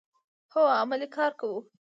هو، عملی کار کوو